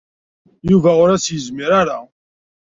Yuba ur as-yezmir ara.